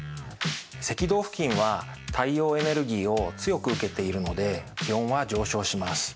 赤道付近は太陽エネルギーを強く受けているので気温は上昇します。